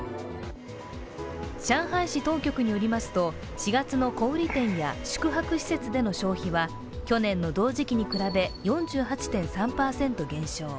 上海市当局によりますと、４月の小売店や宿泊施設での消費は去年の同時期に比べ４８．３％減少。